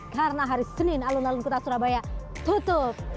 karena hari senin alun alun kultas surabaya tutup